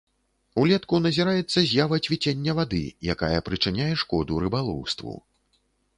Улетку назіраецца з'ява цвіцення вады, якая прычыняе шкоду рыбалоўству.